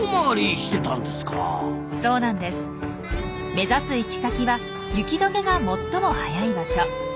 目指す行き先は雪どけが最も早い場所。